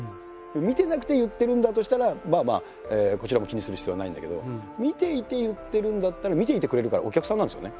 見てなくて言ってるんだとしたらまあまあこちらも気にする必要はないんだけど見ていて言ってるんだったら見ていてくれるからお客さんなんですよね。